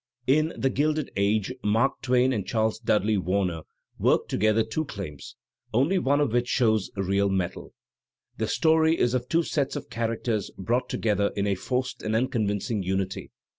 In "The Gilded Age" Mark Twam and Charles Dudley Warner worked together two claims, only one of which shows real metal. The story is of two sets of characters brought to gether in a forced and unconvincing unity.